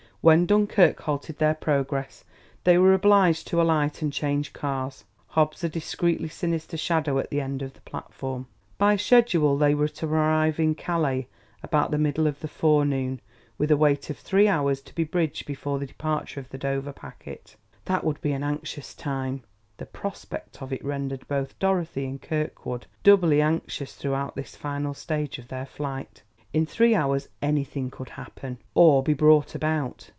When Dunkerque halted their progress, they were obliged to alight and change cars, Hobbs a discreetly sinister shadow at the end of the platform. By schedule they were to arrive in Calais about the middle of the forenoon, with a wait of three hours to be bridged before the departure of the Dover packet. That would be an anxious time; the prospect of it rendered both Dorothy and Kirkwood doubly anxious throughout this final stage of their flight. In three hours anything could happen, or be brought about.